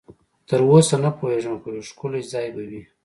تراوسه نه پوهېږم، خو یو ښکلی ځای به وي.